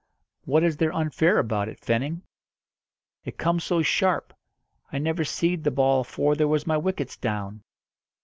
"What is there unfair about it, Fenning?" "It comes so sharp. I never seed the ball afore there was my wickets down."